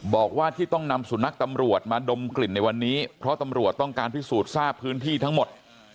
บอกว่าที่ต้องนำสุนัขตำรวจมาดมกลิ่นในวันนี้เพราะตำรวจต้องการพิสูจน์ทราบพื้นที่ทั้งหมด